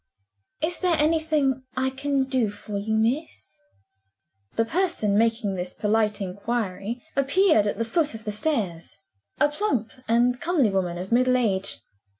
"Is there anything I can do for you, miss?" The person making this polite inquiry appeared at the foot of the stairs a plump and comely woman of middle age.